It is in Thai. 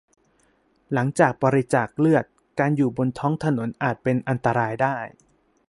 หลังจากบริจาคเลือดการอยู่บนท้องถนนอาจเป็นอันตรายได้